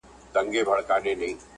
که مي سر په امان وي